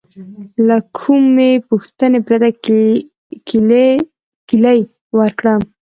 له کومې پوښتنې پرته کیلي ورکړه.